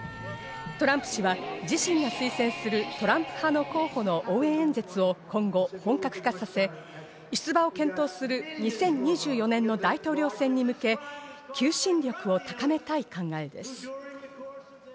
トランプ氏は自身が推薦するトランプ派の候補の応援演説を今後本格化させ、出馬を検討する２０２４年の大統領選に向け、求心力を高めたい考えです。